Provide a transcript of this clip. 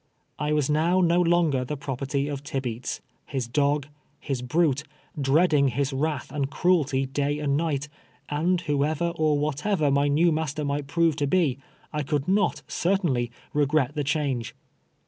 I was now no longer the property of Tibeats — his dog, his brute, dreading his wrath and cruelty day and night ; and whoever or whatever my new master might prove to be, I could not, certainly, regret the change.